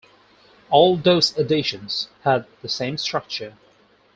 All those editions had the same structure.